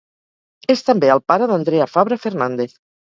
És també el pare d'Andrea Fabra Fernández.